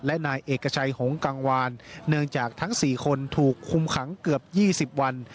และได้นายเอกชัยหงกังวัลเนื่องจากทั้งศิลประวัติธรรมฯทั้งสี่คนถูกคุมขังเกือบยี่สิบวัน